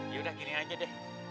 yaudah gini aja deh